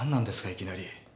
いきなり。